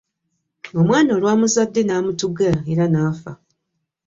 Omwana olwamuzadde n'amutuga era nafa .